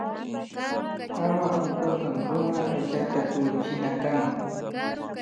Ama unkunkak runa aychata kuyuchina kan